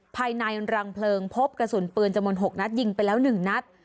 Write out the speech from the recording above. ภายในรังเพลิงพบกระสุนปืนจมนต์๖นัตริย์ยิงไปแล้ว๑นัตริย์